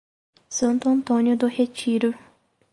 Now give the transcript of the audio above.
Santo Antônio do Retiro